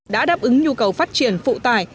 đã đáp ứng nhu cầu phát triển phụ tài